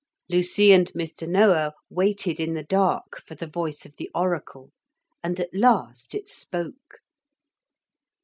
Lucy and Mr. Noah waited in the dark for the voice of the oracle, and at last it spoke.